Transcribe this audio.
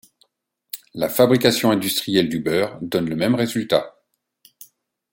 La fabrication industrielle du beurre donne le même résultat.